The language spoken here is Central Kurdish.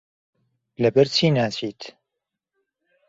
لەبەرچی ناچیت؟